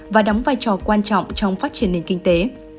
và đóng vai trò quan trọng trong phát triển nền kinh tế